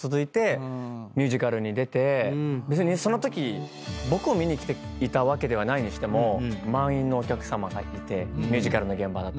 ミュージカルに出て別にそのとき僕を見に来ていたわけではないにしても満員のお客さまがいてミュージカルの現場だと。